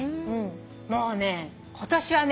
もうね今年はね